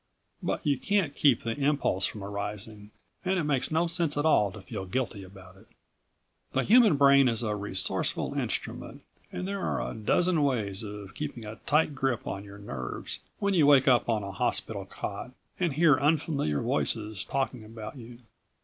But you can't keep the impulse from arising and it makes no sense at all to feel guilty about it. The human brain is a resourceful instrument and there are a dozen ways of keeping a tight grip on your nerves when you wake up on a hospital cot and hear unfamiliar voices talking about you.